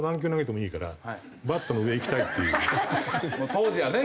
当時はね